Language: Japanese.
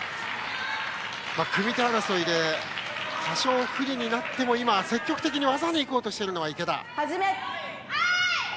組み手争いで多少不利になっても今は積極的に技に行こうとしている池田。